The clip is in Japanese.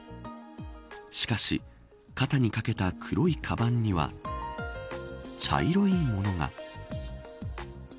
しかし肩にかけた黒いかばんには茶色いものが。